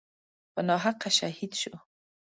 په ناحقه شهید شو.